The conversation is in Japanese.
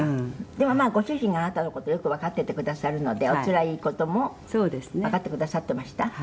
でも、ご主人が、あなたの事をよくわかっててくださるのでおつらい事もわかってくださってました？